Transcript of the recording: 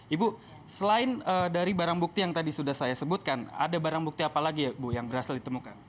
ibu selain dari barang bukti yang tadi sudah saya sebutkan ada barang bukti apa lagi ya bu yang berhasil ditemukan